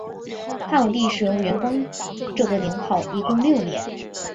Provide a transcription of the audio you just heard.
汉武帝使用元光这个年号一共六年。